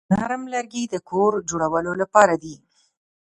نرم لرګي د کور جوړولو لپاره دي.